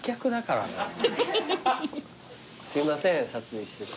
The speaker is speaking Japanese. すいません撮影してて。